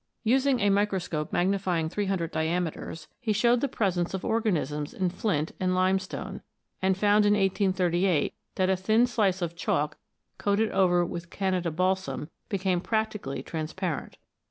Using a microscope magnifying 300 dia meters, he showed the presence of organisms in flint and limestone, and found in 1838 that a thin slice of chalk coated over with Canada balsam became practically transparent.